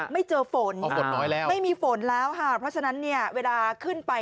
ไม่เจอฝนไม่มีฝนแล้วค่ะเพราะฉะนั้นเวลาขึ้นไป